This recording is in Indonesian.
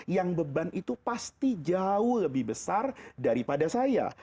yang beban itu pasti jauh lebih besar daripada saya